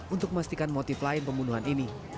untuk memastikan motif lain pembunuhan ini